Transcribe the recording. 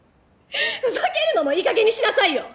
ふざけるのもいい加減にしなさいよ！